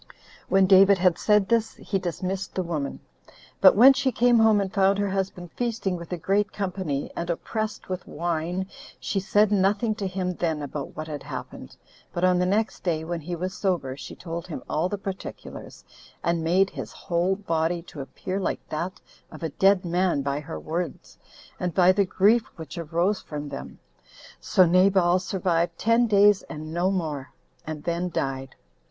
26 8. When David had said this, he dismissed the woman. But when she came home and found her husband feasting with a great company, and oppressed with wine, she said nothing to him then about what had happened; but on the next day, when he was sober, she told him all the particulars, and made his whole body to appear like that of a dead man by her words, and by that grief which arose from them; so Nabal survived ten days, and no more, and then died.